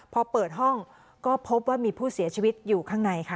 พอเปิดห้องก็พบว่ามีผู้เสียชีวิตอยู่ข้างในค่ะ